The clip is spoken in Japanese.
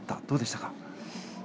どうでした？